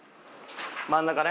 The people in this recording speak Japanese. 真ん中ね。